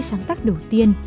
sáng tác đầu tiên